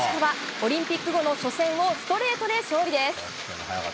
オリンピック後の初戦をストレートで勝利です。